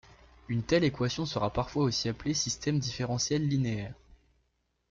Une telle équation sera parfois aussi appelée système différentiel linéaire.